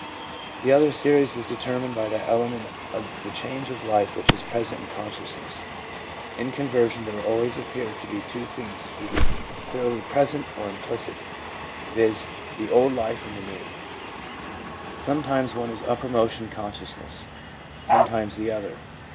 The other series is determined by that element of the change of life which is present in consciousness. In conversion there always appear to be two things either clearly present or implicit, viz., the old life and the new. 6o THE PSYCHOLOGY OF RELIGION Sometimes one is uppermost in consciousness, sometimes the other.